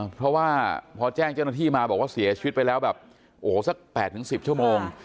เพราะว่าพอแจ้งเจ้าหน้าที่มาบอกว่าเสียชีวิตไปแล้วแบบโอ้โหสัก๘๑๐ชั่วโมง